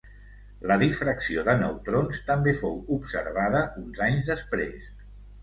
La difracció de neutrons també fou observada uns anys després.